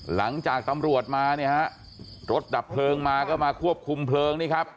หลังจากตำรวจมาเนี่ยฮะรถดับเพลิงมาก็มาควบคุมเพลิงนี่ครับ